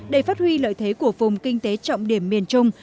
để phát huy lợi thế của vùng kinh tế trọng điểm miền trung